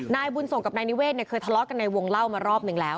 นายบุญส่งกับนายนิเวศเนี่ยเคยทะเลาะกันในวงเล่ามารอบหนึ่งแล้ว